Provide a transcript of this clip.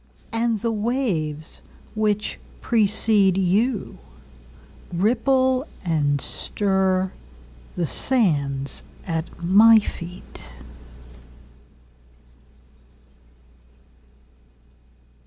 And the waves which precede youRipple and stirThe sands at my feet.